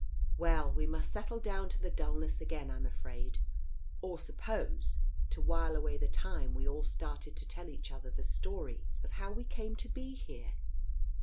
... Well, we must settle down to dulness again, I am afraid, or, suppose, to while away the time we all started to tell each other the story of how we came to be here?